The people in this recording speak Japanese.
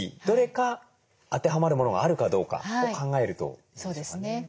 どれか当てはまるものがあるかどうかを考えるということでしょうかね？